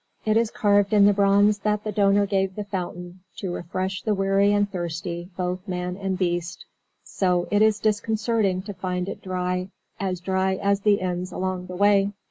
It is carved in the bronze that the donor gave the fountain "To refresh the weary and thirsty, both man and beast," so it is disconcerting to find it dry, as dry as the inns along the way.